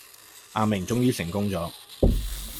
阿明終於成功咗